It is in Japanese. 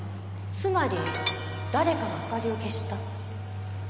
つまり誰かが明かりを消した。